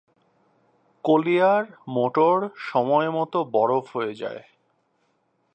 Collier motor সময়মত বরফ হয়ে যায়।